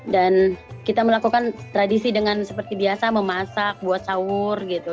dan kita melakukan tradisi dengan seperti biasa memasak buat sahur gitu